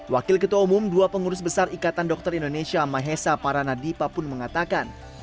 wakil ketua umum dua pengurus besar ikatan dokter indonesia mahesa paranadipa pun mengatakan